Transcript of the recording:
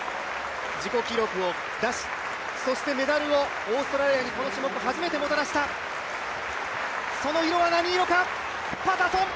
自己記録を出し、そしてメダルをオーストラリアにこの種目、初めてもたらしたその色は何色か、パタソン。